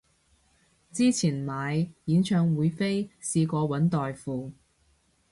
之前買演唱會飛試過搵代付